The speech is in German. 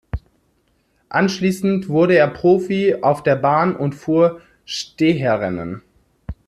Anschließend wurde er Profi auf der Bahn und fuhr Steherrennen.